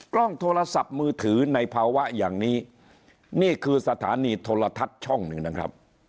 กล้องโทรศัพท์มือถือในภาวะอย่างนี้นี่คือสถานีโทรทัศน์ช่องหนึ่งนะครับ